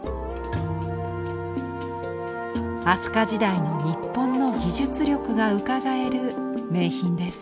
飛鳥時代の日本の技術力がうかがえる名品です。